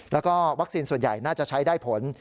แล้วก็วัคซีนส่วนใหญ่น่าจะใช้ได้ผล